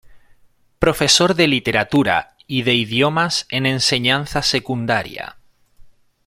Profesor de Literatura y de Idiomas en enseñanza secundaria.